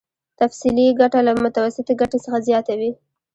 تفضيلي ګټه له متوسطې ګټې څخه زیاته وي